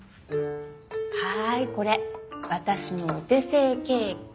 はいこれ私のお手製ケーキ。